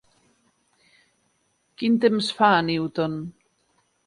Quin temps fa a Newton?